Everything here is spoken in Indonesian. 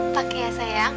pakai ya sayang